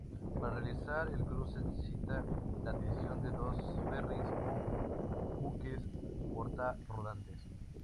Para realizar el cruce necesita la adquisición de dos ferris o buques porta rodantes.